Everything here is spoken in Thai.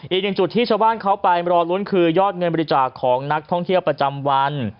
อีกหนึ่งจุดที่ชาวบ้านเขาไปรอลุ้นคือยอดเงินบริจาคของนักท่องเที่ยวประจำวัน